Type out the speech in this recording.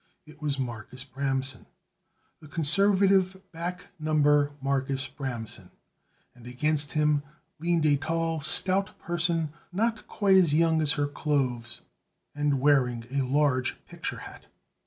It was Marcus Bramson the conservative, back number Marcus Bramson and against him leaned a tall, stout person not quite as young as her clothes and wearing a large picture hat.